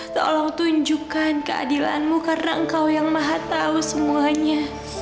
tolong tunjukkan keadilanmu karena engkau yang maha tahu semuanya